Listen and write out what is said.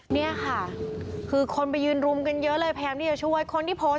เนี่ยค่ะคือคนไปยืนรุมกันเยอะเลยพยายามที่จะช่วยคนที่โพสต์